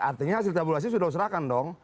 artinya hasil tabulasi sudah serahkan dong